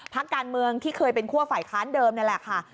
พักการเมืองที่เคยเป็นคั่วฝ่ายค้านเดิมนี่แหละค่ะ